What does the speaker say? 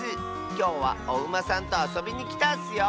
きょうはおウマさんとあそびにきたッスよ。